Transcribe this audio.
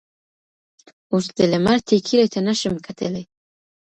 اوس د لمر ټیکلي ته نه شم کتلی.